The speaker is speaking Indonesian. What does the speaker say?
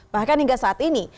bahkan hingga saat ini